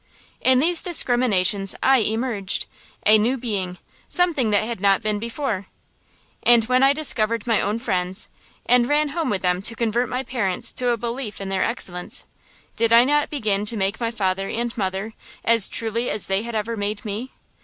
In these discriminations I emerged, a new being, something that had not been before. And when I discovered my own friends, and ran home with them to convert my parents to a belief in their excellence, did I not begin to make my father and mother, as truly as they had ever made me?